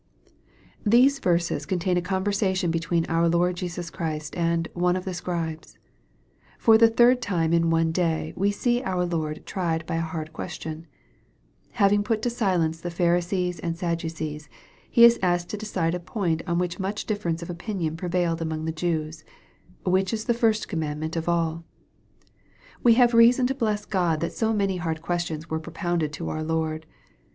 THESE verses contain a conversation between our Lord Jesus Christ and " one of the Scribes." For the third time in one day we see our Lord tried by a hard question. Having put to silence the Pharisees and Sadducees, He is asked to decide a point on which much difference of opinion prevailed among the Jews :" Which is the first commandment of all." We have reason to bless God that so many hard questions were propounded to our Lord.